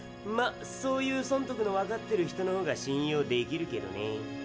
まそういう損得のわかってる人の方が信用できるけどね。